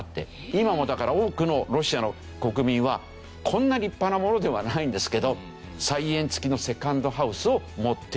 今もだから多くのロシアの国民はこんな立派なものではないんですけど菜園付きのセカンドハウスを持っている。